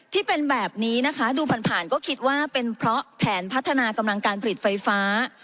ที่เป็นแบบนี้นะคะดูผ่านผ่านก็คิดว่าเป็นเพราะแผนพัฒนากำลังการผลิตไฟฟ้า